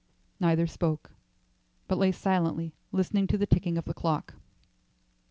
Neither spoke, but lay silently listening to the ticking of the clock.